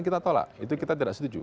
kita tolak itu kita tidak setuju